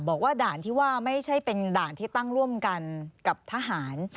บอกว่าด่านที่ว่าไม่ใช่เป็นด่านที่ตั้งร่วมกันกับทหาร